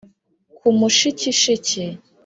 ku mushikishiki